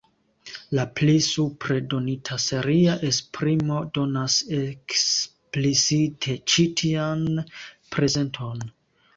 La pli supre donita seria esprimo donas eksplicite ĉi tian prezenton.